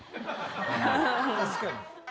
確かに。